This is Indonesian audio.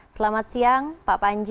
selamat siang pak panji